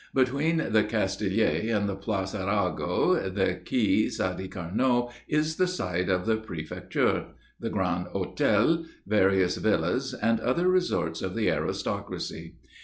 Between the Castillet and the Place Arago, the Quai Sadi Carnot is the site of the Prefecture, the Grand Hôtel, various villas and other resorts of the aristocracy.